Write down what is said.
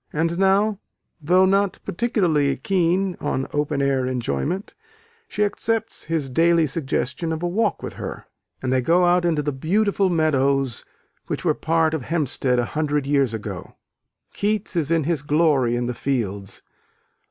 And now, though not particularly keen on open air enjoyment, she accepts his daily suggestion of a walk with her; and they go out into the beautiful meadows which were part of Hampstead a hundred years ago. Keats is in his glory in the fields.